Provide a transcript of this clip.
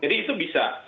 jadi itu bisa